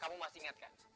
kamu masih ingat kan